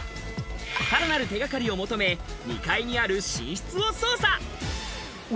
さらなる手掛かりを求め、２階にある寝室を捜査。